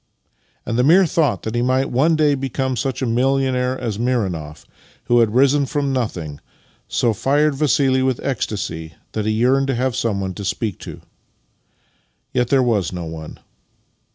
" And the mere thought that he might one day be come such a millionaire as Mironoff, who had risen from nothing, so fired Vassili with ecstasy that he yearned to have someone to speak to. Yet there was no one.